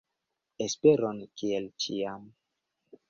Esperon, kiel ĉiam!